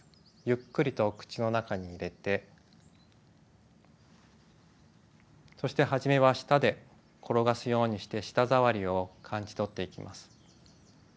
ゆっくりと口の中に入れてそしてはじめは舌で転がすようにして舌触りを感じ取っていきます。